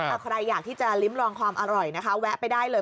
เอาใครอยากที่จะลิ้มลองความอร่อยนะคะแวะไปได้เลย